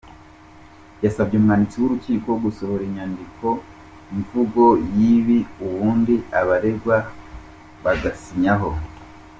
Yasabye umwanditsi w’urukiko gusohora inyandiko mvugo y’ibi ubundi abaregwa bagasinyaho.